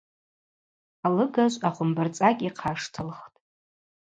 Алыгажв ахвымбырцӏакӏьа йхъаштылхтӏ.